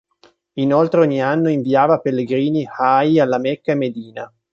Inoltre ogni anno inviava pellegrini "hajj" alla Mecca e Medina.